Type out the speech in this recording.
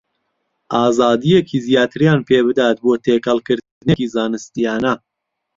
ئازادییەکی زیاتریان پێ بدات بۆ تێکەڵکردنێکی زانستییانە